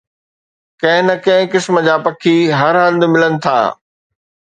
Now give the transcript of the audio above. ڪنهن نه ڪنهن قسم جا پکي هر هنڌ ملن ٿا